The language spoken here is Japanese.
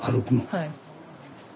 はい。